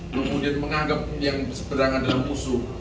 kemudian menganggap yang seberangan adalah musuh